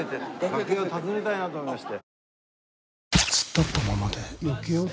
楽屋訪ねたいなと思いまして。